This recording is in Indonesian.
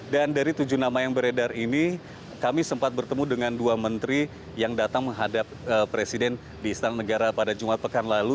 dan dari tujuh nama yang beredar ini kami sempat bertemu dengan dua menteri yang datang menghadap presiden di istana negara pada jumat pekan lalu